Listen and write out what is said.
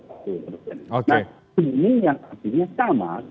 harus dilakukan di indonesia